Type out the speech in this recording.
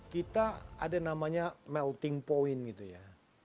kita ada namanya melting point gitu ya